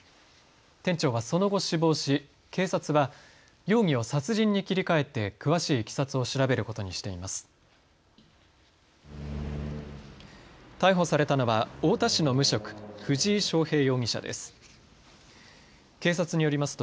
店長はその後、死亡し警察は容疑を殺人に切り替えて詳しいいきさつを調べることにしています。